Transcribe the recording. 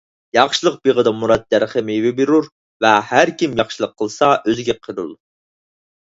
ياخشىلىق بېغىدا مۇراد دەرىخى مېۋە بېرۇر ۋە ھەر كىم ياخشىلىق قىلسا ئۆزىگە قىلۇر.